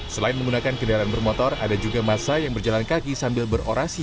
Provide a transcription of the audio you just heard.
selain menggunakan kendaraan bermotor ada juga masa yang berjalan kaki sambil berorasi